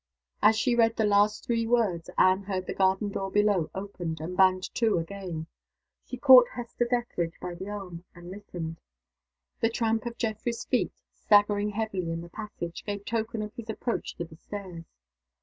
As she read the last three words, Anne heard the garden door below opened and banged to again. She caught Hester Dethridge by the arm, and listened. The tramp of Geoffrey's feet, staggering heavily in the passage, gave token of his approach to the stairs.